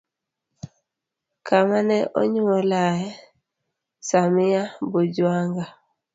Kama ne onyuolae: samia bujwanga